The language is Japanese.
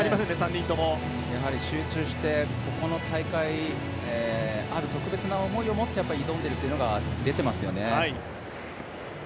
やはり集中してここの大会、ある特別な思いを持って挑んでいるというのが出ていますよね。